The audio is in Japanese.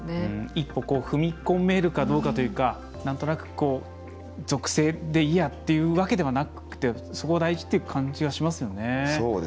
一歩踏み込めるかどうかというか、なんとなく、こう属性でいいやってわけではなくてそこが大事って感じがしますよね。